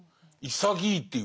潔いっていうか。